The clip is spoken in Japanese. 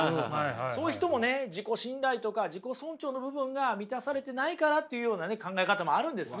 そういう人もね自己信頼とか自己尊重の部分が満たされてないからというような考え方もあるんですね。